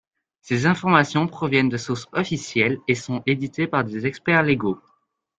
Ces informations proviennent de sources officielles et sont éditées par des experts légaux.